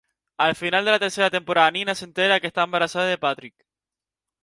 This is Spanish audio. Al final de la tercera temporada Nina se entera que está embarazada de Patrick.